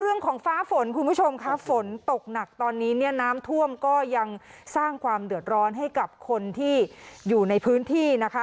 ฟ้าฝนคุณผู้ชมค่ะฝนตกหนักตอนนี้เนี่ยน้ำท่วมก็ยังสร้างความเดือดร้อนให้กับคนที่อยู่ในพื้นที่นะคะ